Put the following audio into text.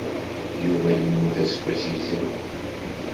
Yuba yemmut aseggas yezrin.